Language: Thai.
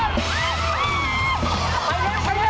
เร็วเข้า